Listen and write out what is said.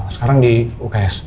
sekarang di uks